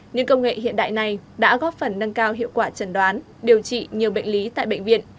những công nghệ hiện đại này đã góp phần nâng cao hiệu quả trần đoán điều trị nhiều bệnh lý tại bệnh viện